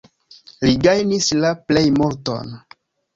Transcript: Li gajnis la plejmulton.